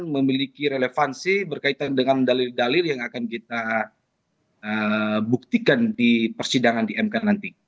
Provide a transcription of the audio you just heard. memiliki relevansi berkaitan dengan dalil dalil yang akan kita buktikan di persidangan di mk nanti